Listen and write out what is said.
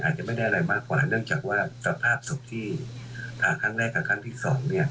อาจจะไม่ได้อะไรมากกว่าเนื่องจากว่าสภาพศพที่ผ่าครั้งแรกกับครั้งที่สองเนี่ย